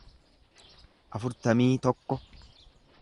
afurtamii tokko